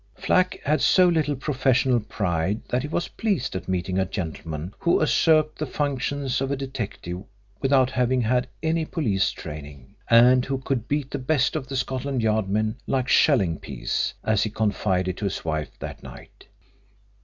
Flack had so little professional pride that he was pleased at meeting a gentleman who usurped the functions of a detective without having had any police training, and who could beat the best of the Scotland Yard men like shelling peas, as he confided to his wife that night.